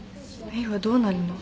メイはどうなるの？